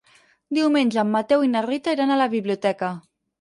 Diumenge en Mateu i na Rita iran a la biblioteca.